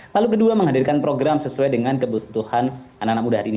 lalu kedua menghadirkan program sesuai dengan kebutuhan anak anak muda hari ini